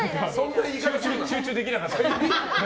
集中できなかった。